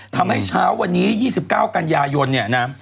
ทำให้เช้าวันนี้๒๙กันยายนเนี่ยนะฮะ